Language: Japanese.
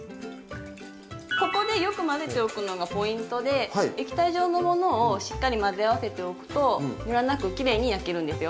ここでよく混ぜておくのがポイントで液体状のものをしっかり混ぜ合わせておくとむらなくきれいに焼けるんですよ。